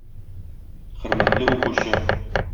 Хөрмәтле укучы!